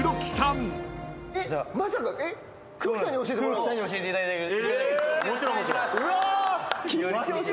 黒木さんに教えていただける。